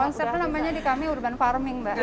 konsepnya namanya di kami urban farming mbak